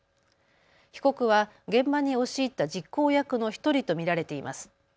被告は現場に押し入った実行役の１人と見られています。